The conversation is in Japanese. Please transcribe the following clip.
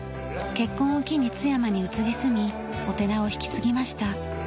結婚を機に津山に移り住みお寺を引き継ぎました。